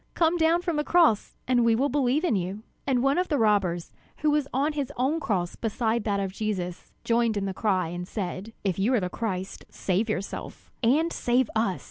Come down from the cross, and we will believe in you!" And one of the robbers, who was on his own cross beside that of Jesus, joined in the cry, and said: "If you are the Christ, save yourself and save us!"